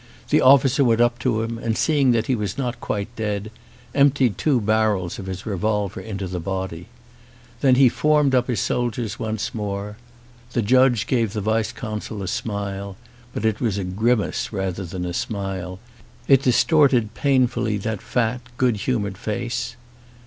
The officer went up to him, and seeing that he was not quite dead emptied two barrels of his revolver into the body. Then he formed up his soldiers once more. The judge gave the vice consul a smile, but it was a grimace rather than a smile; it distorted .painfully that fat good humoured face.